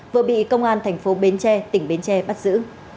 vừa bị công an tp bến tre tỉnh bến tre bắt giữ